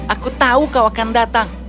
aku tahu kau akan datang